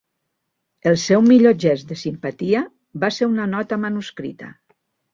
El seu millor gest de simpatia va ser una nota manuscrita.